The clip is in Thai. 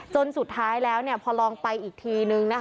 จนสุดท้ายแล้วพอลองไปอีกทีนึง